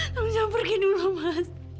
kamu jangan pergi dulu mas